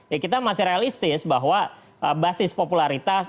ya kita masih realistis bahwa basis popularitas